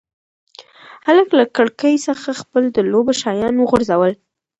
هلک له کړکۍ څخه خپل د لوبو شیان وغورځول.